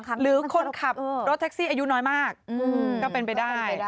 หรือคนขับรถแท็กซี่อายุน้อยมากก็เป็นไปได้